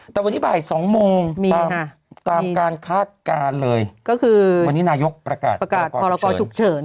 แต่วันนี้บ่าย๒โมงตามการคาดการณ์เลยก็คือวันนี้นายกประกาศพรกรฉุกเฉิน